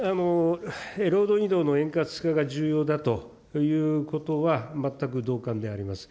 労働移動の円滑化が重要だということは、全く同感であります。